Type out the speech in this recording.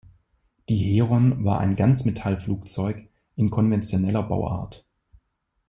Die Heron war ein Ganzmetallflugzeug in konventioneller Bauart.